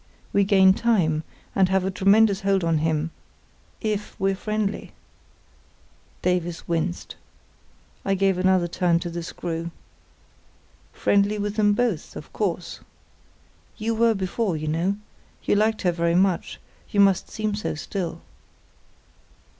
We gain time, and have a tremendous hold on him—if we're friendly." Davies winced. I gave another turn to the screw. "Friendly with them both, of course. You were before, you know; you liked her very much—you must seem to still."